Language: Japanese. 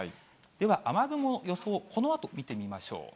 では、雨雲の予想、このあと見てみましょう。